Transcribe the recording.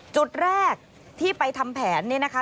จุดแรกที่ไปทำแผนเนี่ยนะคะ